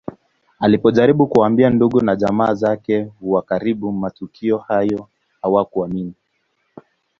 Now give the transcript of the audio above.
Alipojaribu kuwaambia ndugu na jamaa zake wa karibu matukio hayo hawakuamini